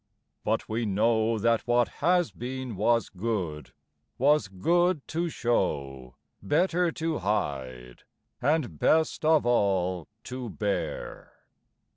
But we know That what has been was good, was good to show, Better to hide, and best of all to bear.